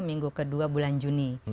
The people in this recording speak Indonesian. minggu ke dua bulan juni